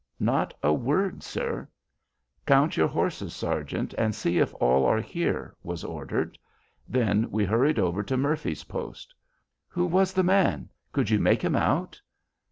"Not a word, sir." "Count your horses, sergeant, and see if all are here," was ordered. Then we hurried over to Murphy's post. "Who was the man? Could you make him out?"